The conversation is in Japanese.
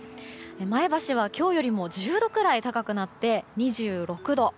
前橋は今日よりも１０度くらい高くなって２６度。